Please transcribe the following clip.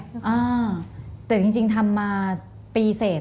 อเรนนี่อ้าวแต่จริงทำมาปีเสร็จ